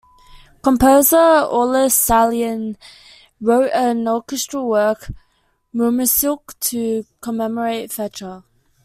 Composer Aulis Sallinen wrote an orchestral work "Mauermusik" to commemorate Fechter.